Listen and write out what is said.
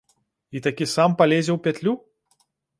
І такі сам палезе ў пятлю?